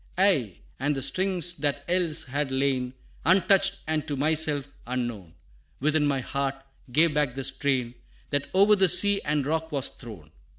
Aye, and the strings that else had lain Untouched, and to myself unknown, Within my heart, gave back the strain That o'er the sea and rock was thrown.